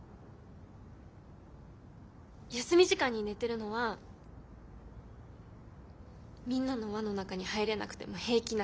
休み時間に寝てるのはみんなの輪の中に入れなくても平気なふり。